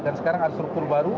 dan sekarang ada struktur baru